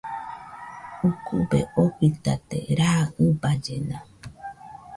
Ukube ofitate raa ɨballena